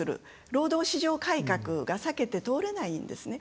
労働市場改革が避けて通れないんですね。